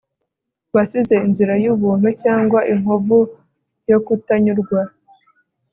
wasize inzira yubuntu cyangwa inkovu yo kutanyurwa